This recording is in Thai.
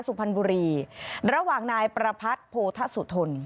สุพรรณบุรีระหว่างนายประพัทธ์โพธสุทน